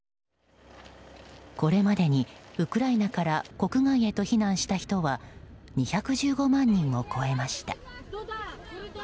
これまでにウクライナから国外へと避難した人は２１５万人を超えました。